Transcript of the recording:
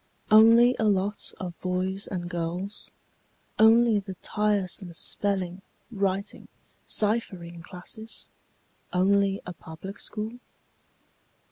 Only a lot of boys and girls? Only the tiresome spelling, writing, ciphering classes? Only a public school?